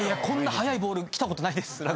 こんな速いボール来たことないです。